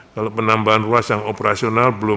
kalau penambahan ruas yang operasional belum